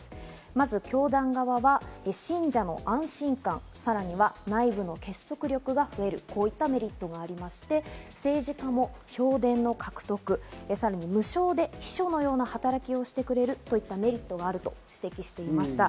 まず教団側は信者の安心感、さらには内部の結束力が増える、こういったメリットがありまして、政治家も票田の獲得、さらに無償で秘書のような働きをしてくれるといったメリットがあると指摘していました。